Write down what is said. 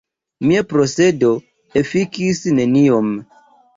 Mia procedo efikis neniom.